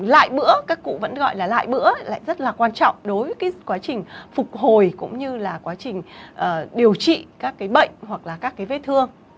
lại bữa các cụ vẫn gọi là lại bữa lại rất là quan trọng đối với cái quá trình phục hồi cũng như là quá trình điều trị các cái bệnh hoặc là các cái vết thương